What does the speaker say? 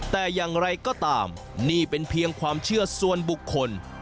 แต่อย่างไรก็ตามนี่เป็นเพียงความเชื่อส่วนบุคคล